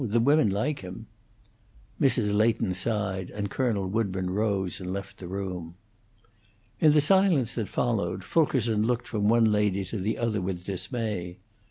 The women like him." Mrs. Leighton sighed, and Colonel Woodburn rose and left the room. In the silence that followed, Fulkerson looked from one lady to the other with dismay.